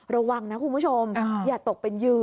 ระวังนะคุณผู้ชมอย่าตกเป็นเหยื่อ